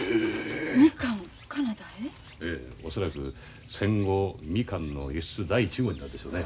ええ恐らく戦後みかんの輸出第１号になるでしょうね。